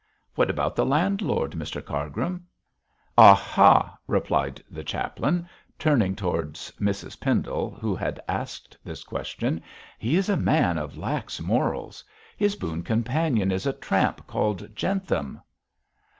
'What about the landlord, Mr Cargrim?' 'Aha!' replied the chaplain, turning towards Mrs Pendle, who had asked this question, 'he is a man of lax morals. His boon companion is a tramp called Jentham!'